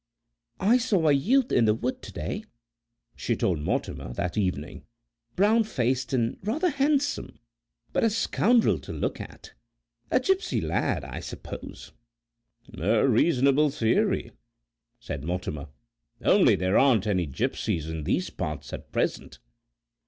"I saw a youth in the wood to day," she told Mortimer that evening, "brown faced and rather handsome, but a scoundrel to look at. A gipsy lad, I suppose." "A reasonable theory," said Mortimer, "only there aren't any gipsies in these parts at present."